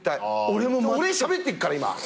俺しゃべってっから今！